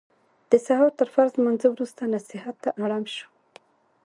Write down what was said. د سهار تر فرض لمانځه وروسته نصیحت ته اړم شو.